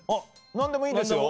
何でもいいですよ。